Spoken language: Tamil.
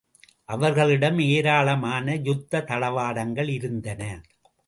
அவர்களிடம் ஏராளமான யுத்தத் தளவாடங்கள் இருந்தன.